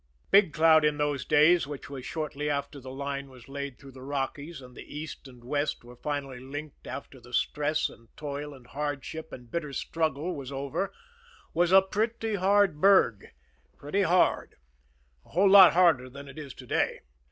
Big Cloud in those days, which was shortly after the line was laid through the Rockies, and the East and West were finally linked after the stress of toil and hardship and bitter struggle was over, was a pretty hard burg, pretty hard a whole lot harder than it is to day.